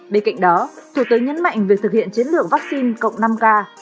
bên cạnh đó thủ tướng nhấn mạnh việc thực hiện chiến lược vaccine cộng năm k